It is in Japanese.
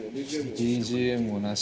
ＢＧＭもなし。